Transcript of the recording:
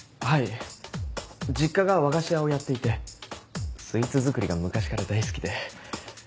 はい実家が和菓子屋をやっていてスイーツ作りが昔から大好きで。